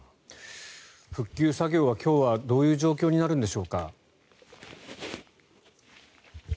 復旧作業は今日はどういう状況になるんでしょうか？